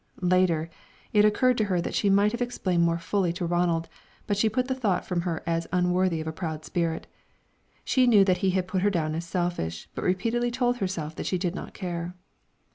Later, it occurred to her that she might have explained more fully to Ronald, but she put the thought from her as unworthy of a proud spirit. She knew that he had put her down as selfish, but repeatedly told herself that she did not care.